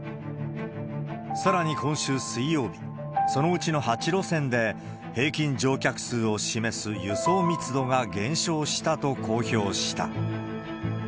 さらに今週水曜日、そのうちの８路線で平均乗客数を示す輸送密度が減少したと公表した。